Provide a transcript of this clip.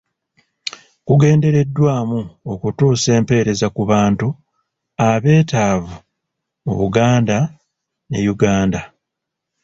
Gugendereddwamu okutuusa empereeza ku bantu abeetaavu mu Buganda ne Yuganda.